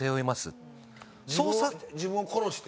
自分を殺して？